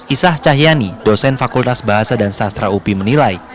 isah cahyani dosen fakultas bahasa dan sastra upi menilai